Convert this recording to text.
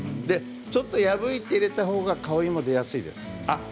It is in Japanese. ちょっと破いて入れたほうが香りも出やすいです。